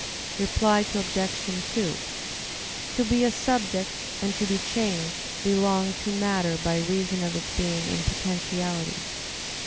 Reply Obj. 2: To be a subject and to be changed belong to matter by reason of its being in potentiality.